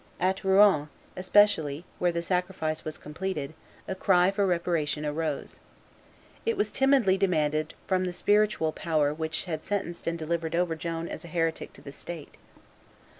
At Rouen, especially, where the sacrifice was completed, a cry for reparation arose. It was timidly demanded from the spiritual power which had sentenced and delivered over Joan as a heretic to the stake.